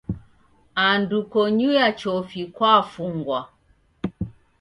Andu konyuya chofi kwafungwa.